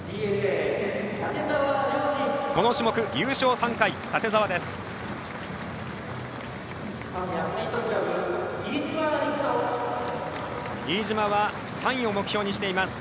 この種目、優勝３回の館澤です。